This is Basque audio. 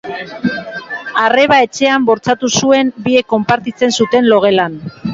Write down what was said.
Arreba etxean bortxatu zuen, biek konpartitzen zuten logelan.